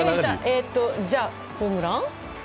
じゃあ、ホームラン？